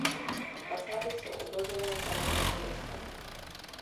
Fasády jsou obložené kamennými deskami.